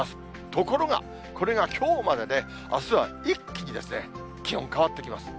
ところが、これがきょうまでで、あすは一気に気温変わってきます。